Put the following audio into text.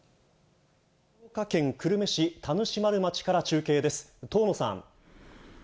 福岡県久留米市田主丸町から中継です。